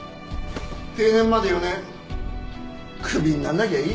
定年まで４年クビになんなきゃいいよ。